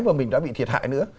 mà mình đã bị thiệt hại nữa